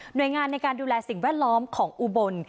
โดยงานในการดูแลสิ่งแวดล้อมของอุบล